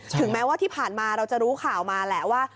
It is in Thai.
ถึงแม้ว่าที่ผ่านมาเราจะรู้ข่าวมาแหละว่า